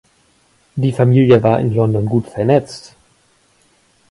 Die Familie war in London gut vernetzt.